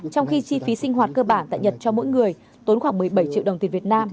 trong khi chi phí sinh hoạt cơ bản tại nhật cho mỗi người tốn khoảng một mươi bảy triệu đồng tiền việt nam